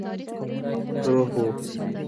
روح وو.